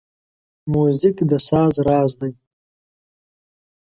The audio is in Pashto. موزیک د ساز راز دی.